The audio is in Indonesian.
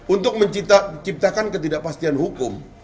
untuk menciptakan ketidakpastian hukum